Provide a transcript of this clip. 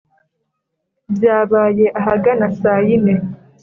Byabaye ahagana saa yine